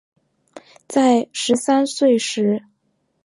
在十三岁时